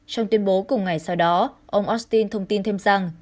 trong tuyên bố cùng ngày sau đó ông austin thông tin thêm rằng